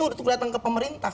udah datang ke pemerintah